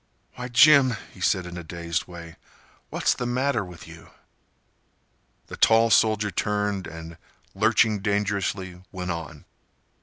"Why, Jim," he said, in a dazed way, "what's the matter with you?" The tall soldier turned and, lurching dangerously, went on.